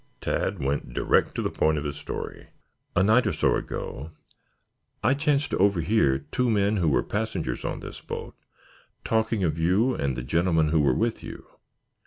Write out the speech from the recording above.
Tad went direct to the point of his story. "A night or so ago I chanced to overhear two men who were passengers on this boat talking of you and the gentlemen who were with you.